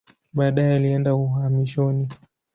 Baadaye alienda uhamishoni.